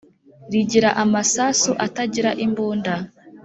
rigira amasasu atagira imbunda